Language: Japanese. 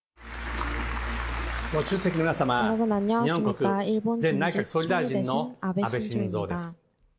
ご出席の皆様、日本国前内閣総理大臣の安倍晋三です。